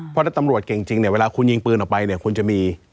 เพราะถ้าตำรวจเก่งจริงเนี่ยเวลาคุณยิงปืนออกไปเนี่ยคุณจะมี